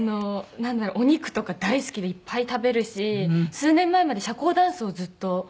なんだろうお肉とか大好きでいっぱい食べるし数年前まで社交ダンスをずっと。